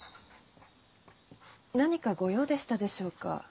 何かご用でしたでしょうか？